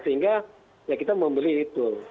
sehingga kita membeli itu